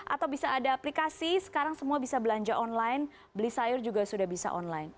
atau bisa ada aplikasi sekarang semua bisa belanja online beli sayur juga sudah bisa online